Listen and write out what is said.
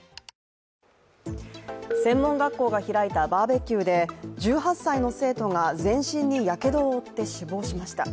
専門学校が開いたバーベキューで１８歳の生徒が全身にやけどを負って死亡しました。